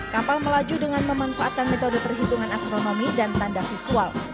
kapal melaju dengan memanfaatkan metode perhitungan astronomi dan tanda visual